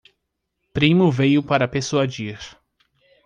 Primo veio para persuadir